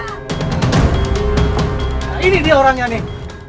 nah ini dia orangnya nih